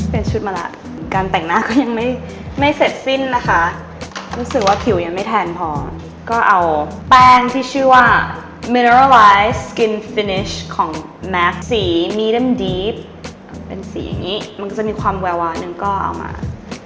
เป็นชุดมาแล้วการแต่งหน้าก็ยังไม่ไม่เสร็จสิ้นนะคะรู้สึกว่าผิวยังไม่แทนพอก็เอาแป้งที่ชื่อว่าเมโรไลฟ์กินฟิเนชของแม็กซ์สีมีเล่มดีฟเป็นสีอย่างนี้มันก็จะมีความแวววานึงก็เอามา